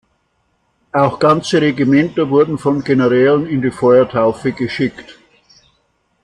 Auch ganze Regimenter wurden von Generälen in die Feuertaufe geschickt.